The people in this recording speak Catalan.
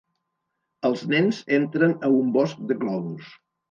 Els nens entren a un bosc de globus.